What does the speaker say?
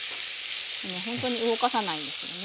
ほんとに動かさないんですよね。